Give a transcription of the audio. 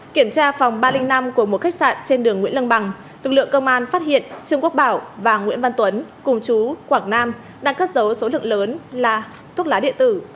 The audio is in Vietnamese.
kiểm tra phòng ba trăm linh năm của một khách sạn trên đường nguyễn lăng bằng lực lượng công an phát hiện trương quốc bảo và nguyễn văn tuấn cùng chú quảng nam đang cất dấu số lượng lớn là thuốc lá điện tử